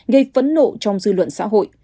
gây phấn nộ trong dư luận xã hội